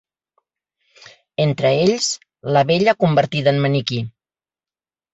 Entre ells, la bella convertida en maniquí.